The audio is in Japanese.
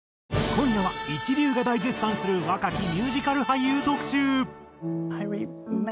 今夜は一流が大絶賛する若きミュージカル俳優特集。